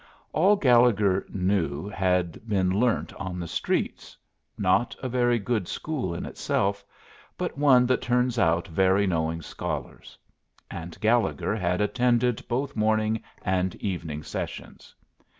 All Gallegher knew had been learnt on the streets; not a very good school in itself, but one that turns out very knowing scholars. And Gallegher had attended both morning and evening sessions.